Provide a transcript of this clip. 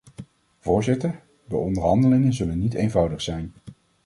Voorzitter, de onderhandelingen zullen niet eenvoudig zijn.